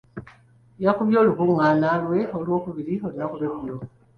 Yakubye olukung'aana lwe olw'okubiri olunaku lw'eggulo.